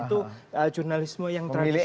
itu jurnalisme yang tradisional